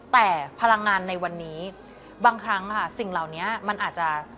แต่พลังงานในวันนี้บางครั้งค่ะสิ่งเหล่านี้มันอาจจะ